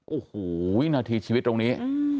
โอ้โหวินาทีชีวิตตรงนี้